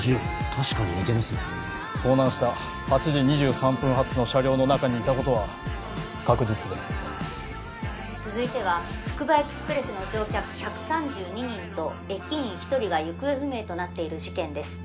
確かに似てますね遭難した８時２３分発の車両の中にいたことは確実です続いてはつくばエクスプレスの乗客１３２人と駅員１人が行方不明となっている事件です